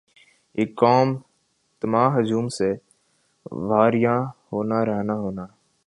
یِہ قوم نما ہجوم سے واریاں ہونا رہنا ہونا